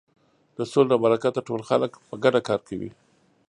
د سولې له برکته ټول خلک په ګډه کار کوي.